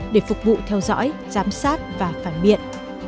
để phục vụ theo dõi giám sát và phản biện